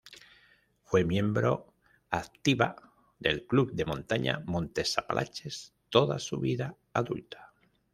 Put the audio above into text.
Fue miembro activa del Club de montaña Montes Apalaches toda su vida adulta.